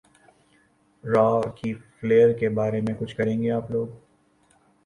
راکی Flair کے بارے میں کچھ کریں گے آپ لوگ